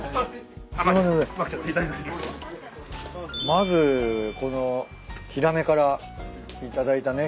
まずこのヒラメから頂いたね